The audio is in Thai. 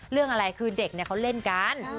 เรื่องอะไรคือเด็กเขาเล่นกัน